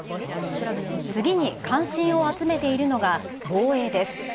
次に関心を集めているのが防衛です。